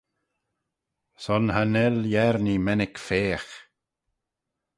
Son cha nel Yernee mennick feagh.